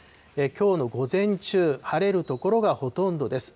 きょうの午前中、晴れる所がほとんどです。